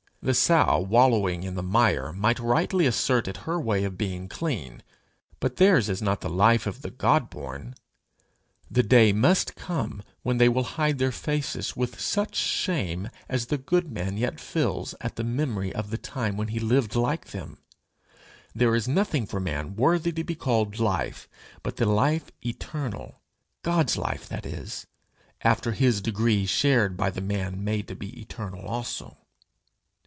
The sow wallowing in the mire may rightly assert it her way of being clean, but theirs is not the life of the God born. The day must come when they will hide their faces with such shame as the good man yet feels at the memory of the time when he lived like them. There is nothing for man worthy to be called life, but the life eternal God's life, that is, after his degree shared by the man made to be eternal also.